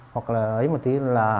hoặc là ấy một tí là